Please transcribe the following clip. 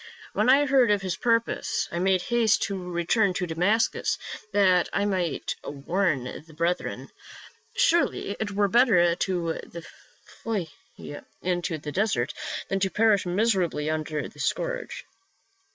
When I heard of his purpose, I made haste to return to Damascus, that I might warn the brethren. Surely it were better to flee into the desert than to perish miserably under the scourge."